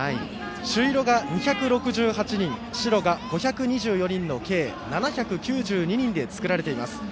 朱色が２６８人白が５２４人の計７９２人で作られています。